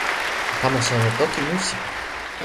o kama sona toki musi